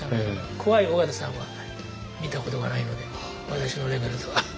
怖い緒方さんは見たことがないので私のレベルでは。